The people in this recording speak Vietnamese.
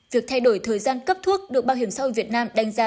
việc thay đổi thời gian cấp thuốc được bảo hiểm xã hội việt nam đánh giá